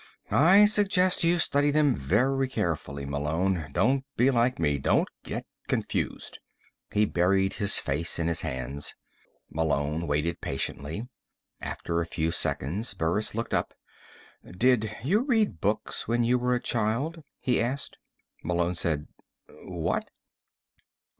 I suggest you study them very carefully, Malone. Don't be like me. Don't get confused." He buried his face in his hands. Malone waited patiently. After a few seconds, Burris looked up. "Did you read books when you were a child?" he asked. Malone said: "What?"